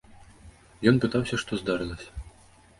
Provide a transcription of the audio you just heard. Ён пытаўся, што здарылася.